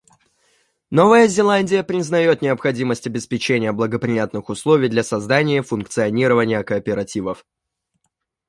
Новая Зеландия признает необходимость обеспечения благоприятных условий для создания и функционирования кооперативов.